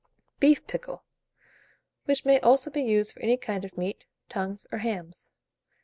BEEF PICKLE, which may also be used for any kind of Meat, Tongues, or Hams.